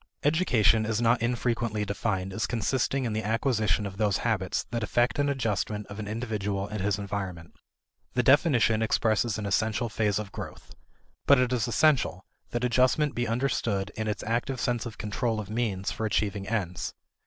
Education is not infrequently defined as consisting in the acquisition of those habits that effect an adjustment of an individual and his environment. The definition expresses an essential phase of growth. But it is essential that adjustment be understood in its active sense of control of means for achieving ends.